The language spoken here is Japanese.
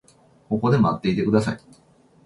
ここで待っていてください。